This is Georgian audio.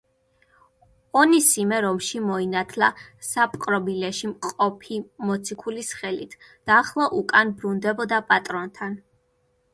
ონისიმე რომში მოინათლა საპყრობილეში მყოფი მოციქულის ხელით და ახლა უკან ბრუნდებოდა პატრონთან.